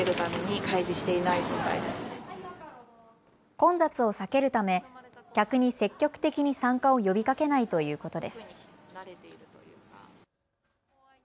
混雑を避けるため客に積極的に参加を呼びかけないということです。